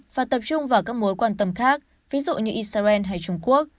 và tập trung vào các mối quan tâm khác ví dụ như israel hay trung quốc